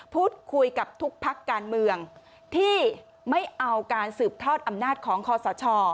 พูดคุยกับทุกพักการเมืองที่ไม่เอาการสืบทอดอำนาจของคอสช